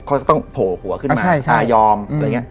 เขาจะต้องโผล่หัวขึ้นมาใช่ยอมอะไรอย่างนี้